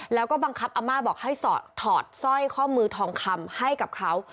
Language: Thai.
แล้วก็บังคับอาม่าบอกให้ถอดสร้อยข้อมือทองคำให้กับเขา